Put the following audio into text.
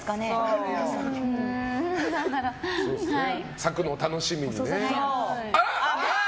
咲くのを楽しみにね。